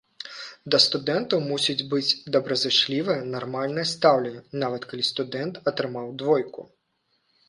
Да студэнтаў мусіць быць добразычлівае, нармальнае стаўленне, нават калі студэнт атрымаў двойку.